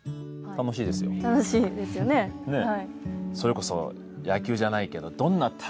はい楽しいですよねえ